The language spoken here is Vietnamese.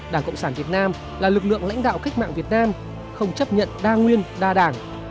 đảng cộng sản việt nam là lực lượng lãnh đạo cách mạng việt nam không chấp nhận đa nguyên đa đảng